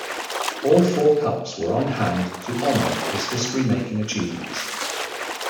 All four cups were on hand to honor his history making achievements.